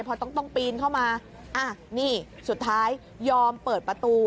พอต้องปีนเข้ามานี่สุดท้ายยอมเปิดประตู